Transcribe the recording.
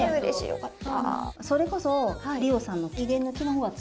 よかった。